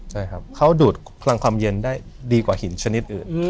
ใช่ครับเขาดูดพลังความเย็นได้ดีกว่าหินชนิดอื่น